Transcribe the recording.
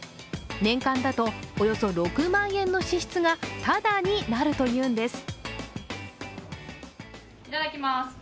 年間だと、およそ６万円の支出がタダになるというんです。